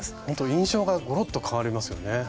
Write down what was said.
ほんと印象がごろっと変わりますよね。